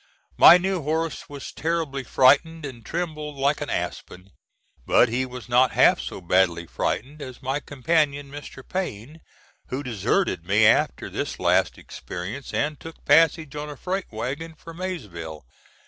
My new horse was terribly frightened and trembled like an aspen; but he was not half so badly frightened as my companion, Mr. Payne, who deserted me after this last experience, and took passage on a freight wagon for Maysville.